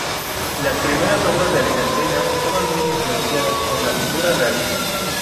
Las primeras obras de Alejandrina estaban muy influenciadas por la pintura realista.